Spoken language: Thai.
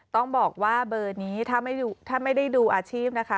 ต้องบอกว่าเบอร์นี้ถ้าไม่ได้ดูอาชีพนะคะ